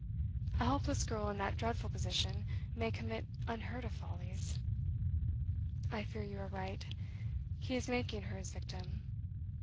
A helpless girl in that dreadful position may commit unheard of follies. I fear you are right. He is making her his victim.